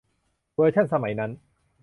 เวอร์ชั่นสมัยนั้น